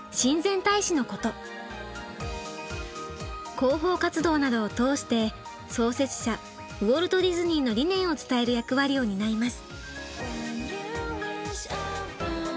広報活動などを通して創設者ウォルト・ディズニーの理念を伝える役割を担います。